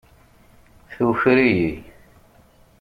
Tuker-iyi.